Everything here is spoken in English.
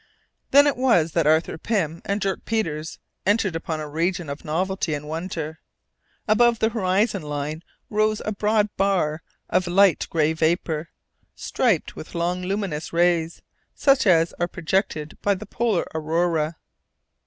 Then it was that Arthur Pym and Dirk Peters entered upon a region of novelty and wonder. Above the horizon line rose a broad bar of light grey vapour, striped with long luminous rays, such as are projected by the polar aurora.